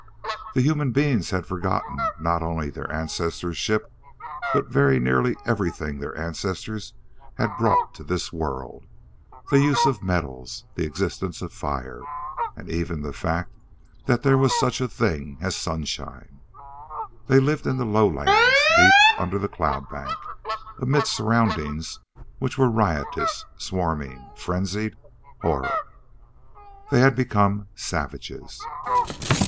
The human beings had forgotten not only their ancestors' ship, but very nearly everything their ancestors had brought to this world: the use of metals, the existence of fire, and even the fact that there was such a thing as sunshine. They lived in the lowlands, deep under the cloud bank, amid surroundings which were riotous, swarming, frenzied horror. They had become savages.